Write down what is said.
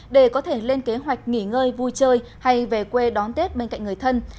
để có thể lên kế hoạch nghỉ ngơi vui chơi hay về quê đón tết bên cạnh người thân